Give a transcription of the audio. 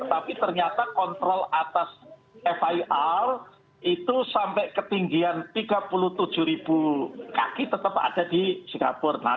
tapi ternyata kontrol atas fir itu sampai ketinggian tiga puluh tujuh ribu kaki tetap ada di singapura